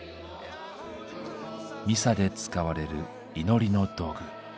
ミサで使われる祈りの道具。